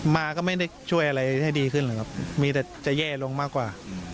มาก็ไม่ได้ช่วยอะไรให้ดีขึ้นหรอกครับมีแต่จะแย่ลงมากกว่า